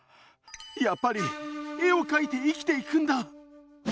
やっぱり絵を描いて生きていくんだ！